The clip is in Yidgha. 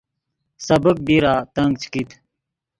سبیک بیرا تنگ چے کیت